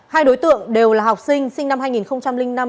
hai đối tượng đều là học sinh sinh năm hai nghìn năm chú tại huyện lê